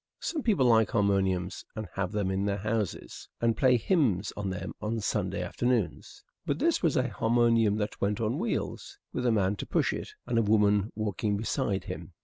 Some people like harmoniums, and have them in their houses, and play hymns on them on Sunday afternoons. But this was a harmonium that went on wheels, with a man to push it, and a woman walking beside him.